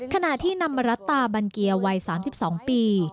ขณะที่นำมารัตตาบันเกียร์วัย๓๒ปี